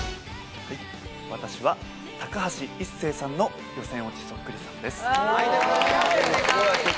私は高橋一生さんの予選落ちそっくりさんです。